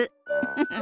フフ。